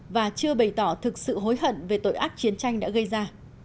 và chưa bày tỏ thực sự hối hận về tội ác chiến tranh đã gây ra